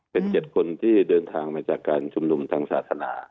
เป็น๗คนที่เดินทางมาจากการชุมนุมทางศาสนา